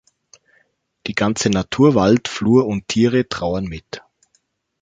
Die ganze Natur, Wald, Flur und Tiere trauern mit.